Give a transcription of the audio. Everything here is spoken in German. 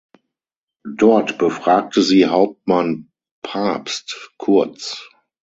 Dort befragte sie Hauptmann Pabst kurz.